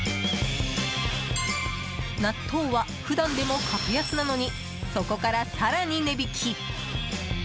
納豆は普段でも格安なのにそこから更に値引き。